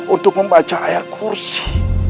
untuk membaca air kursi